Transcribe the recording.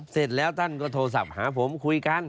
เสร็จแล้วท่านก็โทรศัพท์หาผมคุยกัน